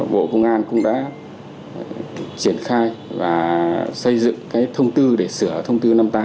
bộ công an cũng đã triển khai và xây dựng cái thông tư để sửa thông tư năm mươi tám